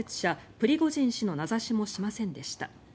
プリゴジン氏の名指しもしませんでした。